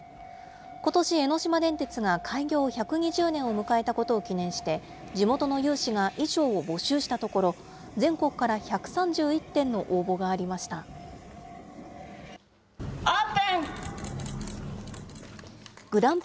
ことし江ノ島電鉄が開業１２０年を迎えたことを記念して、地元の有志が衣装を募集したところ、全国から１３１点の応募があオープン！